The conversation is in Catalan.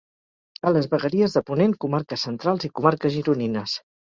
A les vegueries de Ponent, Comarques Centrals i Comarques Gironines.